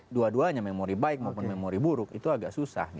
dua duanya memori baik maupun memori buruk itu agak susah